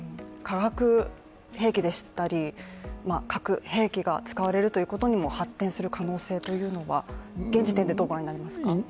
化学兵器でしたり、核兵器が使われるということにも発展する可能性は現時点でどう御覧になりますか？